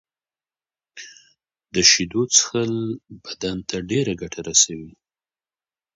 د شېدو څښل بدن ته ډيره ګټه رسوي.